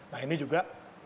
nah ini juga